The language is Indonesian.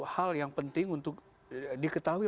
hal yang penting untuk diketahui